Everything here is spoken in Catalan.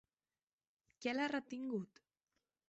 ¿Què l'ha retingut?